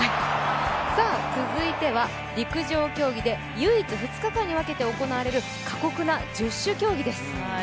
続いては、陸上競技で唯一２日間にわけて行われる過酷な十種競技です。